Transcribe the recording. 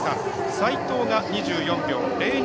齋藤が２４秒０２。